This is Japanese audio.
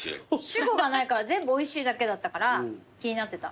主語がないから全部おいしいだけだったから気になってた。